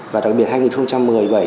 và đặc biệt hai nghìn một mươi bảy thì